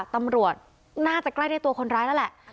ตำรวจน่าจะใกล้ได้ตัวคนร้ายแล้วแหละ